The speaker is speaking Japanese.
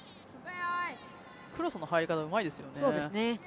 クロスの入り方うまいですよね。